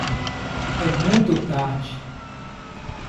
É muito tarde